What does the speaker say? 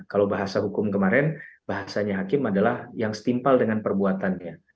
kalau bahasa hukum kemarin bahasanya hakim adalah yang setimpal dengan perbuatannya